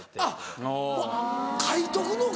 もう書いとくのか。